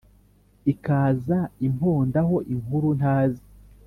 Ikaza imponda ho inkuru ntazi.